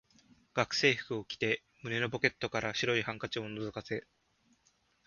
学生服を着て、胸のポケットから白いハンケチを覗かせ、